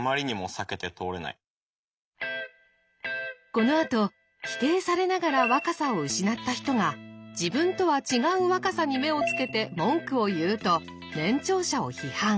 このあと否定されながら若さを失った人が自分とは違う若さに目をつけて文句を言うと年長者を批判。